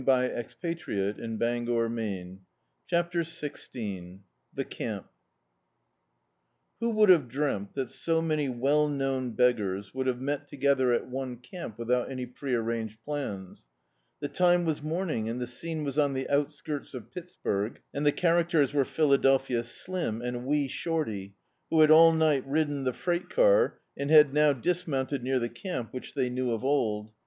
D,i.,.db, Google CHAPTER XVI T TT THO would have dreamt that so many %/%/ well known b^gars would have met T V leather at one camp, without any pre arranged plansf The time was morning and the scene was on the outskirts of Pittsburg, and the char acters were Philadelphia Slim and Wee Shorty, who had all night ridden the freight car and had now dismounted near the camp, which they knew of old.